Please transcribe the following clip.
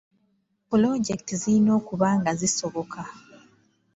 Pulojekiti zirina okuba nga zisoboka.